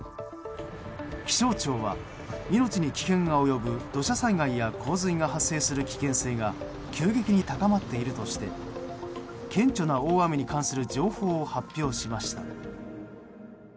気象庁は命に危険が及ぶ土砂災害や洪水が発生する危険性が急激に高まっているとして顕著な大雨に関する情報を発表しました。